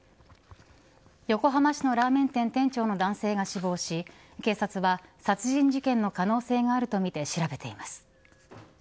横浜市のラーメン店店長の男性が死亡し警察は殺人事件の可能性があるとみて調べています。